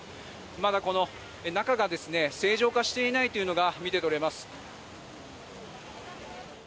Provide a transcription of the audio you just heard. まだ中が正常化していないというのが見て取れます。